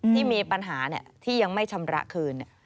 ที่มีปัญหาที่ยังไม่ชำระคืน